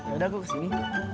ya udah aku kesini